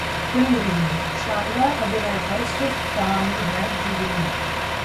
Film Review: शानदार अभिनय, पर सुस्त कहानी है 'जुगनी'